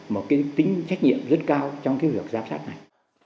một cái tính trách nhiệm rất cao trong cái việc giám sát này